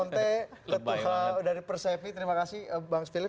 terima kasih bang philip